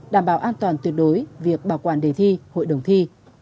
đảm bảo an toàn tuyệt đối việc bảo quản đề thi hội đồng thi